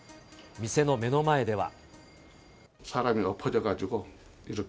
店の目の前では。